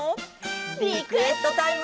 リクエストタイム！